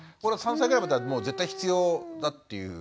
３歳ぐらいまではもう絶対必要だという？